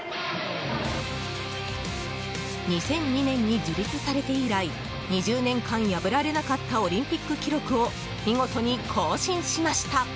２００２年に樹立されて以来２０年間破られなかったオリンピック記録を見事に更新しました。